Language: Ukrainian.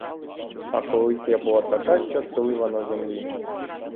А колись я була така щаслива на землі!